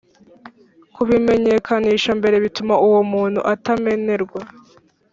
kubimenyekanisha mbere bituma uwo muntu atamenerwa